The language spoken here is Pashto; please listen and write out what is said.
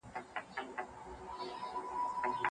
خلاق افراد د حل لارې لټوي.